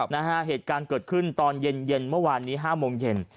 นะฮะเหตุการณ์เกิดขึ้นตอนเย็นเย็นเมื่อวานนี้๕โมงเย็น